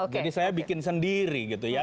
jadi saya bikin sendiri gitu ya